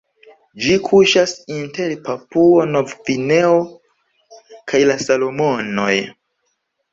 Ĝi kuŝas inter Papuo-Nov-Gvineo kaj la Salomonoj.